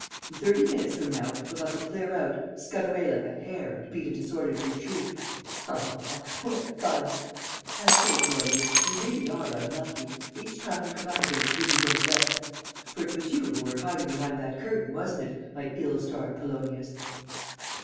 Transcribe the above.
In thirty minutes from now, you'll have to clear out, scud away like a hare and beat a disordered retreat. Ha, ha, ha, what fun! I say, Polonius, you really are unlucky, each time you come up against Bibi Daubrecq! For it was you who were hiding behind that curtain, wasn't it, my ill starred Polonius?"